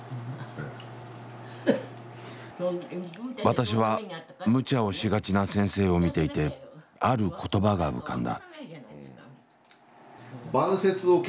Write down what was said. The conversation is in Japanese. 私はむちゃをしがちな先生を見ていてある言葉が浮かんだ。